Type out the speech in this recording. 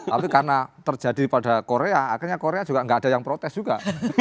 tapi karena terjadi pada korea akhirnya korea juga nggak ada yang protes juga